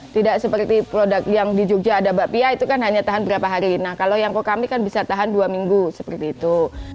tidak seperti produk yang di jogja ada bakpia itu kan hanya tahan berapa hari nah kalau yang ke kami kan bisa tahan dua minggu seperti itu